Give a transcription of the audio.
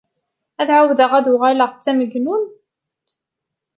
Ad ɛawdeɣ ad d-uɣaleɣ d tamagnut?